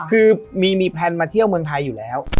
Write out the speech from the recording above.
คือมีแพลนมาเที่ยวเมืองไทยอยู่แล้ว